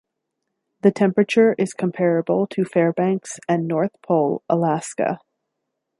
The temperature is comparable to Fairbanks and North Pole, Alaska.